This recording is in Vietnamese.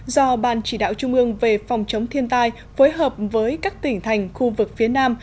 do ban chỉ đạo trung ương về phòng chống thiên tai phối hợp với các tỉnh thành khu vực phía nam